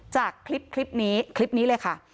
จากคลิปนี้คลิปนี้เลยค่ะ